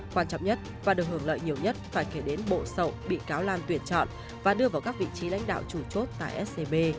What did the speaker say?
quan trọng nhất và được hưởng lợi nhiều nhất phải kể đến bộ sậu bị cáo lan tuyển chọn và đưa vào các vị trí lãnh đạo chủ chốt tại scb